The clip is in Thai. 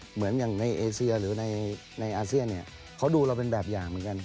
เหมือนอย่างในเอเซียหรือในอาเซียนเนี่ยเขาดูเราเป็นแบบอย่างเหมือนกัน